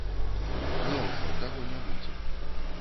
Не ўжо, таго не будзе.